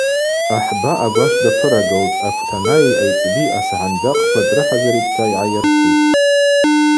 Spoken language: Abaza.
Ахӏба агвашв дапырагылтӏ, аквтанайи айцӏби асагӏындакъква дрыхӏазыритӏта йгӏайыртӏитӏ.